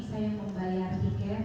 saya membayar tiket